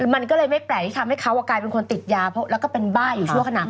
มันก็เลยไม่แปลกที่ทำให้เขากลายเป็นคนติดยาแล้วก็เป็นบ้าอยู่ชั่วขณะ